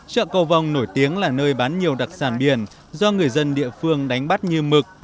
chợ cầu vòng nổi tiếng là nơi bán nhiều đặc sản biển do người dân địa phương đánh bắt như mực